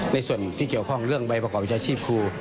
ในส่วนที่เกี่ยวข้องเรื่องใบประกอบวิชาชีพครู